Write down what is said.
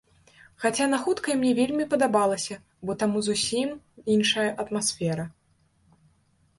Хаця на хуткай мне вельмі падабалася, бо таму зусім іншая атмасфера.